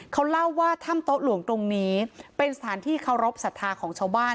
เขาเล่าว่าถ้ำโต๊ะหลวงตรงนี้เป็นสถานที่เคารพสัทธาของชาวบ้าน